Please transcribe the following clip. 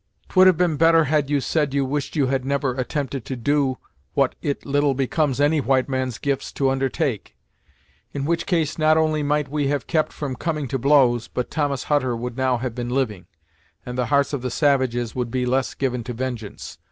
"'Twould have been better had you said you wished you had never attempted to do what it little becomes any white man's gifts to undertake; in which case, not only might we have kept from coming to blows, but Thomas Hutter would now have been living, and the hearts of the savages would be less given to vengeance.